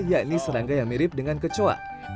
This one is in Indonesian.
yakni serangga yang mirip dengan kecoa